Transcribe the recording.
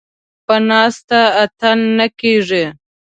ـ په ناسته اتڼ نه کېږي.